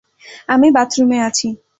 আমি বাথরুমে আছি।